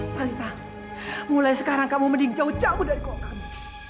talita mulai sekarang kamu mending jauh jauh dari kota ini